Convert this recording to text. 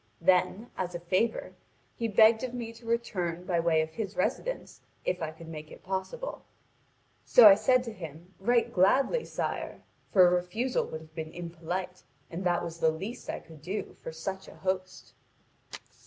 Then, as a favour, he begged of me to return by way of his residence, if I could make it possible. So I said to him: 'Right gladly, sire!' for a refusal would have been impolite, and that was the least I could do for such a host."